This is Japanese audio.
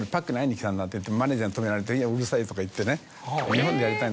マネジャーに止められて「いやうるさい」とか言ってね。